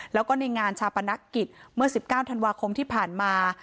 แล้วก็ในงานชาปนกิจเมื่อ๑๙ธันวาคมที่ผ่านมา